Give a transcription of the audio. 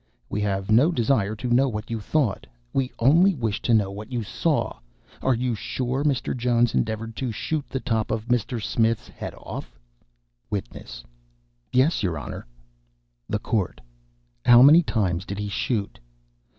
"We have no desire to know what you thought; we only wish to know what you saw. Are you sure Mr. Jones endeavored to shoot the top of Mr. Smith's head off?" WITNESS. "Yes, your Honor." THE COURT. "How many times did he shoot?"